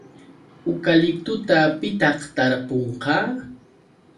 ¿Ukaliptuta pitaq tarpunqa?